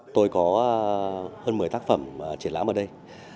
tôi có hơn một mươi tác phẩm triển lãm ở đây